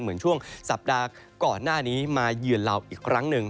เหมือนช่วงสัปดาห์ก่อนหน้านี้มาเยือนเราอีกครั้งหนึ่ง